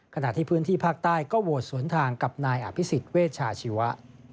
ขณะที่พื้นที่ภาคใต้ก็โหวตสวนทางกับนายอภิษฎเวชาชีวะ